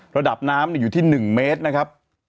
ระดับน้ำอยู่ที่๑เมตรนะครับ